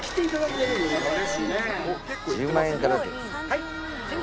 はい。